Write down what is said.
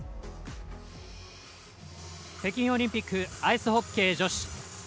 北京オリンピックアイスホッケー女子。